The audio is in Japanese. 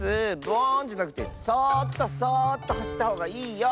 ブオーンじゃなくてそっとそっとはしったほうがいいよ。